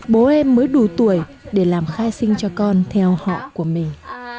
bố em mới đủ tuổi để làm khai sinh cho con theo họ của mình